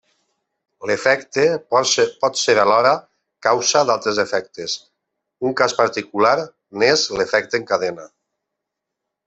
L'efecte pot ser alhora causa d'altres efectes, un cas particular n'és l'efecte en cadena.